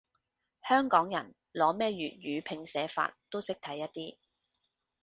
香港人，攞咩粵語拼寫法都識睇一啲